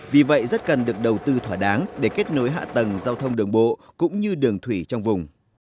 vì vậy rất cần được đầu tư thỏa đáng để kết nối hạ tầng giao thông đường bộ cũng như đường thủy trong vùng